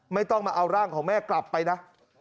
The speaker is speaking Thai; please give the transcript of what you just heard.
ไม่ต้องมาเอาร่างของแม่กลับไปนะ